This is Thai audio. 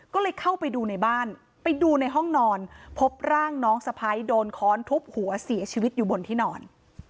ก็เลยเข้าไปดูในบ้านไปดูในห้องนอนพบร่างน้องสะพ้ายโดนค้อนทุบหัวเสียชีวิตอยู่บนที่นอน